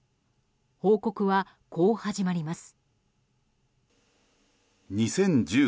報告はこう始まります。